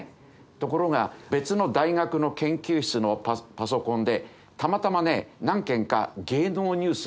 ところが別の大学の研究室のパソコンでたまたまね何件か芸能ニュースを検索したんだわ。